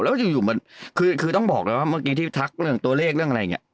แล้วอยู่มันคือต้องบอกเลยว่าเมื่อกี้ที่ทักเรื่องตัวเลขเรื่องอะไรอย่างนี้